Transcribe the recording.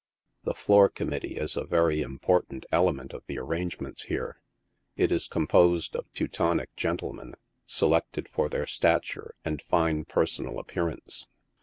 The floor committee is a very important element of the arrangements here. It is composed of Teutonic gentlemen, selected for their stature and fine personal appearance.